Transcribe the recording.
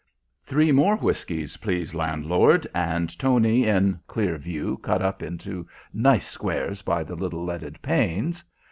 "Three more whiskies, please landlord," and Tony in clear view cut up into nice squares by the little leaded panes.